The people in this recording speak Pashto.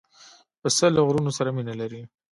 پسه له غرونو سره مینه لري.